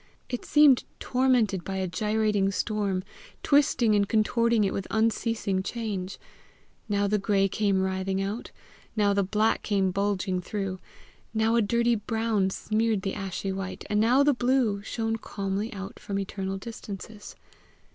It seemed tormented by a gyrating storm, twisting and contorting it with unceasing change. Now the gray came writhing out, now the black came bulging through, now a dirty brown smeared the ashy white, and now the blue shone calmly out from eternal distances.